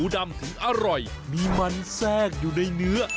ดำถึงอร่อยมีมันแทรกอยู่ในเนื้อ